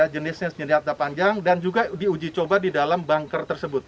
jenisnya senjata panjang dan juga diuji coba di dalam bunker tersebut